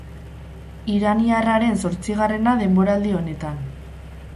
Iraniarraren zortzigarrena denboraldi honetan.